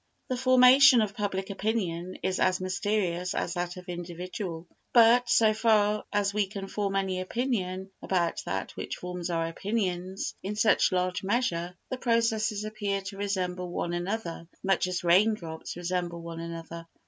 The formation of public opinion is as mysterious as that of individual, but, so far as we can form any opinion about that which forms our opinions in such large measure, the processes appear to resemble one another much as rain drops resemble one another.